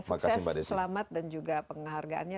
sukses selamat dan juga penghargaannya